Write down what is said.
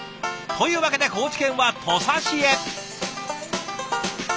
というわけで高知県は土佐市へ。